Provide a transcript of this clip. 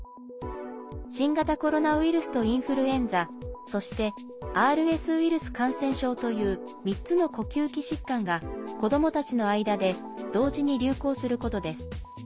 新型コロナウイルスとインフルエンザそしてＲＳウイルス感染症という３つの呼吸器疾患が子どもたちの間で同時に流行することです。